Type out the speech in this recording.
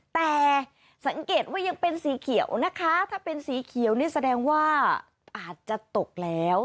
แต่สังเกตว่ายังเป็นสีเขียวนะคะถ้าเป็นสีเขียวนี่แสดงว่าอาจจะตกแล้ว